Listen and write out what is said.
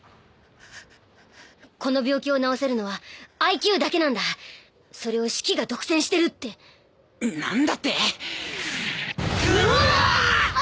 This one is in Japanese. この病気を治せるのはＩＱだけなんだそれをシキが独占してるってなんだって！